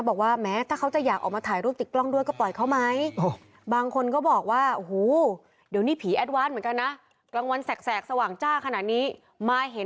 บอกว่าแม้ถ้าเขาจะอยากออกมาถ่ายรูปติดกล้องด้วยก็ปล่อยเขาไหม